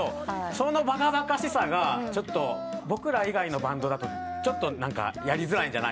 そのバカバカしさが僕ら以外のバンドだとちょっとやりづらいんじゃないかなと。